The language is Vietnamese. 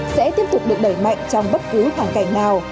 sẽ tiếp tục được đẩy mạnh trong bất cứ hoàn cảnh nào